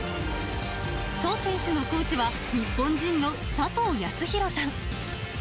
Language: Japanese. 蘇選手のコーチは、日本人の佐藤やすひろさん。